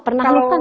pernah luka gak